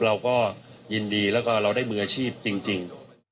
เราก็ยินดีแล้วก็เราได้มืออาชีพจริง